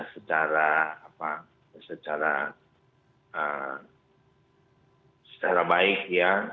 secara apa secara secara baik ya